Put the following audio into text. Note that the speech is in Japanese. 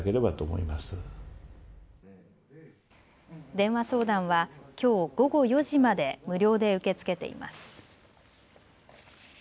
電話相談はきょう午後４時まで無料で受け付けています。